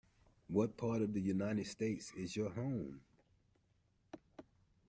What part of the United States is your home.